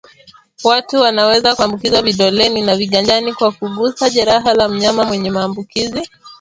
Watu wanaweza kuambukizwa vidoleni na viganjani kwa kugusa jeraha la mnyama mwenye maambukizi